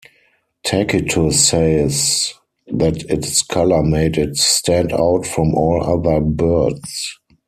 Tacitus says that its color made it stand out from all other birds.